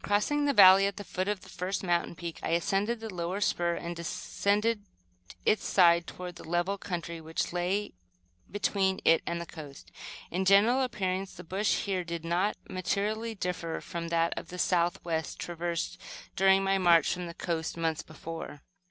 Crossing the valley at the foot of the first mountain peak, I ascended the lower spur and descended its side toward the level country which lay between it and the coast. In general appearance, the bush here did not materially differ from that to the southwest, traversed during my march from the coast months before.